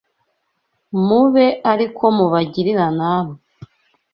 mube ari ko mubagirira namwe